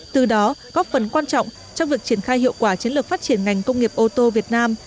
từ đó góp phần quan trọng trong việc triển khai hiệu quả chiến lược phát triển ngành công nghiệp ô tô việt nam